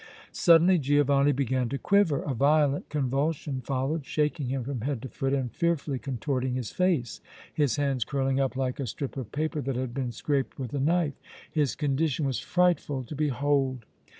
Suddenly Giovanni began to quiver. A violent convulsion followed, shaking him from head to foot and fearfully contorting his face, his hands curling up like a strip of paper that has been scraped with a knife. His condition was frightful to behold.